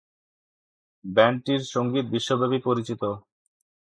ব্যান্ডটির সঙ্গীত বিশ্বব্যাপী পরিচিত।